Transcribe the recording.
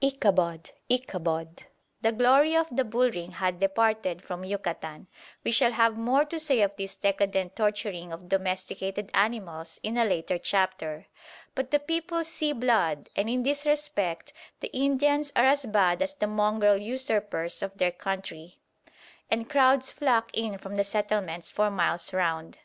Ichabod! Ichabod! The glory of the bull ring hath departed from Yucatan. We shall have more to say of this decadent torturing of domesticated animals in a later chapter. But the people "see blood," and in this respect the Indians are as bad as the mongrel usurpers of their country, and crowds flock in from the settlements for miles round.